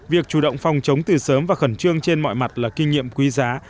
việc chủ động phòng chống từ sớm và khẩn trương trên mọi mặt là kinh nghiệm quý giá